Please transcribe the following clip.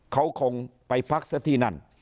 เขาคงไปพักซะที่นั่น